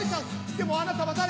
でもあなたは誰？